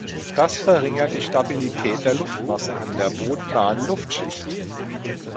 Das verringert die Stabilität der Luftmasse in der bodennahen Luftschicht.